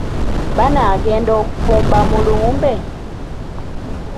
Baanagenda okufumba mu lumbe?